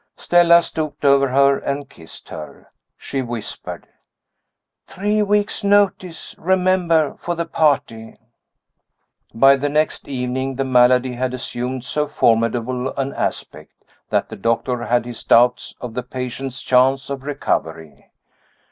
Stella stooped over her and kissed her. She whispered: "Three weeks notice, remember, for the party!" By the next evening the malady had assumed so formidable an aspect that the doctor had his doubts of the patient's chance of recovery.